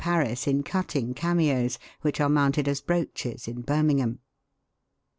Paris in cutting ca meos, which are mounted as brooches in Birmingham.